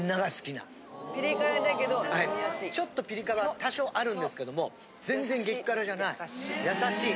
ちょっとピリ辛は多少あるんですけども全然激辛じゃないやさしい。